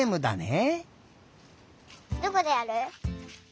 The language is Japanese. どこでやる？